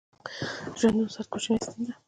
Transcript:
ژوندون ساعت کې کوچنۍ ستن ده